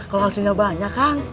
kalau hasilnya banyak kang